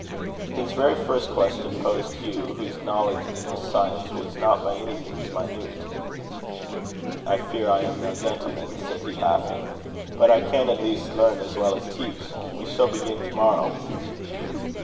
His very first question posed Hugh, whose knowledge in this science was not by any means minute. "I fear I am no gentleman," said he, laughing; "but I can at least learn as well as teach. We shall begin to morrow."